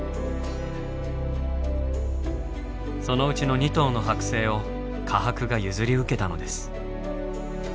そのうちの２頭の剥製を科博が譲り受けたのです。